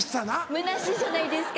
むなしいじゃないですか。